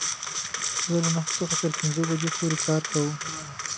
زه له نهو څخه تر پنځو بجو پوری کار کوم